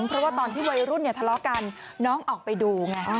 เพราะว่าตอนที่วัยรุ่นเนี่ยทะเลาะกันน้องออกไปดูไง